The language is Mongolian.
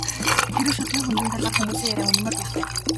Хэрэв Шулмын хөндийн талаарх хүмүүсийн яриа үнэн бол яах вэ?